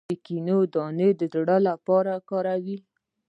د کینو دانه د زړه لپاره وکاروئ